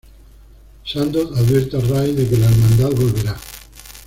Sandor advierte a Ray de que la Hermandad volverá.